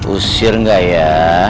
usir gak ya